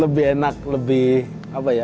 lebih enak lebih apa ya